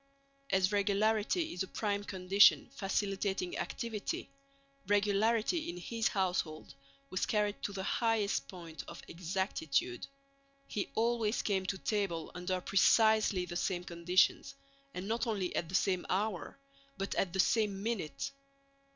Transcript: As regularity is a prime condition facilitating activity, regularity in his household was carried to the highest point of exactitude. He always came to table under precisely the same conditions, and not only at the same hour but at the same minute.